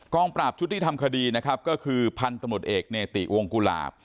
ปราบชุดที่ทำคดีนะครับก็คือพันธมตเอกเนติวงกุหลาบ